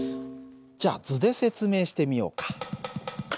じゃあ図で説明してみようか。